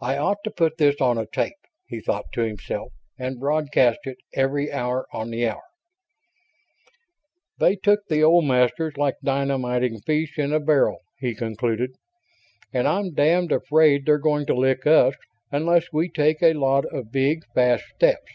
I ought to put this on a tape, he thought to himself, and broadcast it every hour on the hour. "They took the old Masters like dynamiting fish in a barrel," he concluded, "and I'm damned afraid they're going to lick us unless we take a lot of big, fast steps.